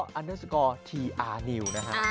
อันเนอร์สกอร์ทีอาร์นิวนะฮะ